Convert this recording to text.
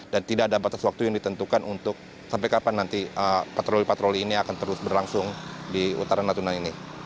dan tidak ada batas waktu yang ditentukan untuk sampai kapan nanti patroli patroli ini akan terus berlangsung di utara natuna ini